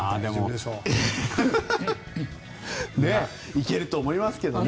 行けると思いますけどね。